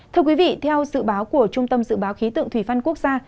thưa quý vị theo dự báo của trung tâm dự báo khí tượng thủy văn quốc gia